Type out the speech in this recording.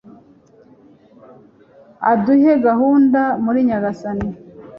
uduhe gukunda muri nyagasani